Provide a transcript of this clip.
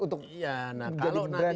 untuk menjadi branding politik saja